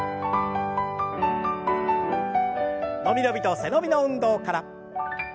伸び伸びと背伸びの運動から。